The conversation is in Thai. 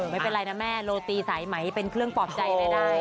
ไม่เป็นไรนะแม่โรตีสายไหมเป็นเครื่องปลอบใจไม่ได้